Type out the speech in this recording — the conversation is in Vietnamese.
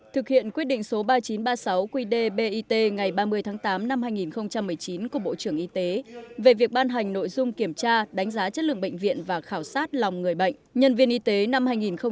thực hiện quyết định số ba nghìn chín trăm ba mươi sáu qd bit ngày ba mươi tháng tám năm hai nghìn một mươi chín của bộ trưởng y tế về việc ban hành nội dung kiểm tra đánh giá chất lượng bệnh viện và khảo sát lòng người bệnh nhân viên y tế năm hai nghìn một mươi chín